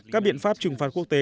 các biện pháp trừng phạt quốc tế